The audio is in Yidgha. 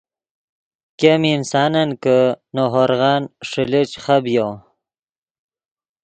ګیم انسانن کہ نے ہورغن ݰیلے چے خبیو